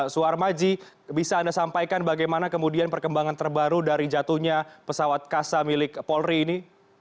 suhar maji bisa anda sampaikan bagaimana kemudian perkembangan terbaru dari jatuhnya pesawat kasa milik polri ini